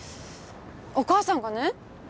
お母さんがね